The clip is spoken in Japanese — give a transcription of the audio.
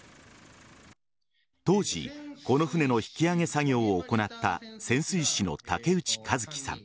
当時この船の引き揚げ作業を行った潜水士の竹内一貴さん。